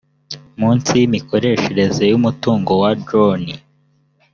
munsi ry imikoreshereze y umutungo wa joni